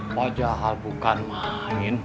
pajah hal bukan mak